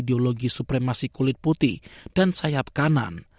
ideologi supremasi kulit putih dan sayap kanan